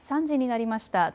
３時になりました。